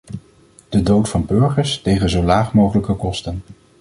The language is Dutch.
De dood van burgers tegen zo laag mogelijke kosten.